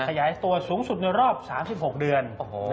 ขยายตัวสูงสุดในรอบ๓๖เดือน